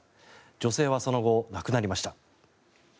女性はその後、亡くなりました。